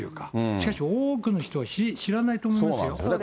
しかし多くの人は知らないと思いそうなんですよ。